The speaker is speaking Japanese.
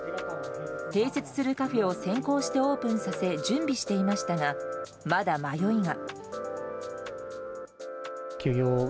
併設するカフェを先行してオープンさせ準備していましたが、まだ迷いが。